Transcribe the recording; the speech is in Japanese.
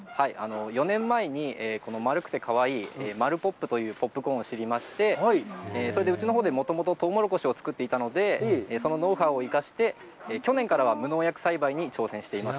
４年前に、この丸くてかわいいまるポップというポップコーンを知りまして、それでうちのほうでもともとトウモロコシを作っていたので、そのノウハウを生かして、去年からは無農薬栽培に挑戦しています。